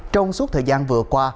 trong suốt thời gian vừa qua